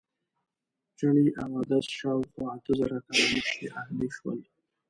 چڼې او عدس شاوخوا اته زره کاله مخکې اهلي شول.